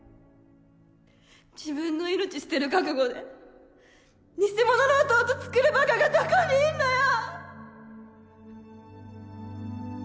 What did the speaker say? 自分の命捨てる覚悟で偽ものの弟つくるバカがどこにいんのよ！